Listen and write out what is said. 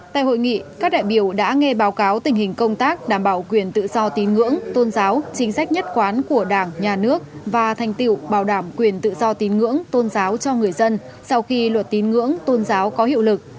tại hội nghị các đại biểu đã nghe báo cáo tình hình công tác đảm bảo quyền tự do tín ngưỡng tôn giáo chính sách nhất quán của đảng nhà nước và thành tiệu bảo đảm quyền tự do tín ngưỡng tôn giáo cho người dân sau khi luật tín ngưỡng tôn giáo có hiệu lực